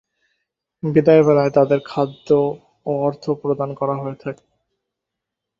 বিদায়বেলায় তাদের খাদ্য ও অর্থ প্রদান করা হয়ে থাকে।